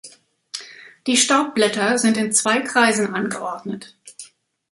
Die Staubblätter sind in zwei Kreisen angeordnet.